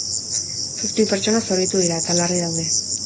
Zazpi pertsona zauritu dira, eta larri daude.